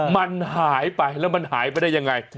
มันหายไปแล้วมันหายไปได้ยังไง